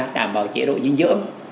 đảm bảo chế độ dinh dưỡng